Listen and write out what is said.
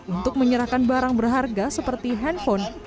untuk menyerahkan barang berharga seperti handphone